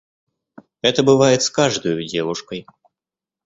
Это бывает с каждою девушкой.